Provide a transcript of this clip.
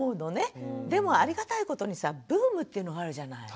でもありがたいことにさブームっていうのがあるじゃない。